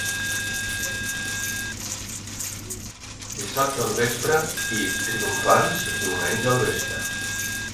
Dissabte al vespre i, triomfants, diumenge al vespre.